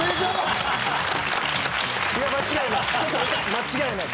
間違いない。